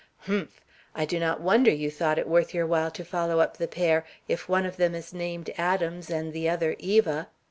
"Humph! I do not wonder you thought it worth your while to follow up the pair, if one of them is named Adams and the other Eva.